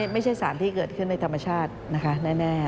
ไม่ใช่สารที่เกิดขึ้นในธรรมชาตินะคะแน่